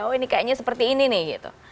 oh ini kayaknya seperti ini nih gitu